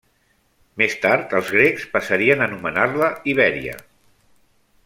Més tard els grecs passarien a anomenar-la Ibèria.